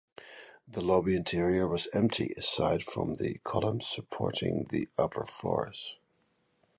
The lobby interior was empty aside from the columns supporting the upper floors.